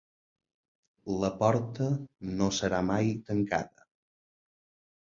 La porta no serà mai tancada.